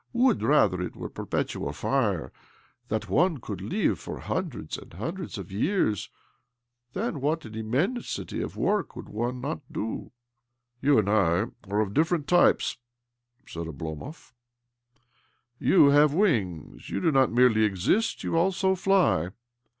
Would, rather, it were a pei petual fire !— that one could live for hun dreds and hundreds of years ! Then wha an immensity of work would one not do I "" You and I are of different types," sai( Oblomov. " You have wings ; you do no merely exist— you also fly.